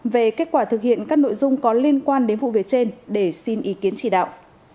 về kết quả thực hiện các nội dung có liên quan đến vụ việc trên để xin ý kiến chỉ đạo